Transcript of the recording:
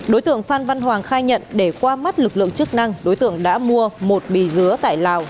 đối tượng phan văn hoàng khai nhận để qua mắt lực lượng chức năng đối tượng đã mua một bì dứa tại lào